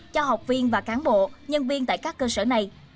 cho học viên và cán bộ nhân viên tại các cơ sở này